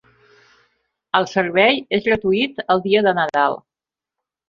El servei és gratuït el dia de Nadal.